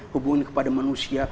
hubungan kepada manusia